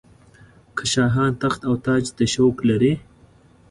که شاهان تخت او تاج ته شوق لري.